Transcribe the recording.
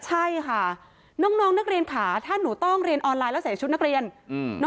ใช่ค่ะน้องนักเรียนค่ะถ้าหนูต้องเรียนออนไลน์แล้วใส่ชุดนักเรียน